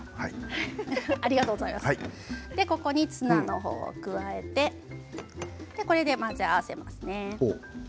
ここにツナを加えてこれで混ぜ合わせます。